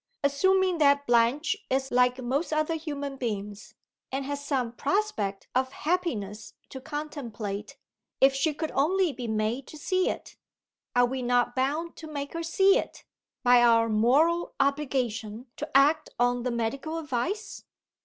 "Assuming that Blanche is like most other human beings, and has some prospect of happiness to contemplate, if she could only be made to see it are we not bound to make her see it, by our moral obligation to act on the medical advice?"